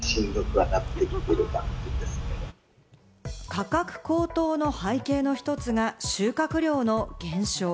価格高騰の背景の一つが収穫量の減少。